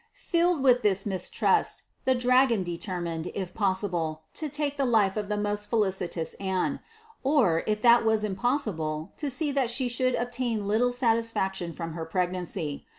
317. Filled with this mistrust, the dragon determined, if possible, to take the life of the most felicitous Anne; or, if that was impossible, to see that she should obtain little satisfaction from her pregnancy.